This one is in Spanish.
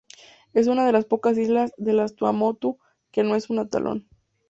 Es una de las pocas islas de las Tuamotu que no es un atolón.